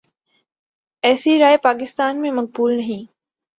ایسی رائے پاکستان میں مقبول نہیں۔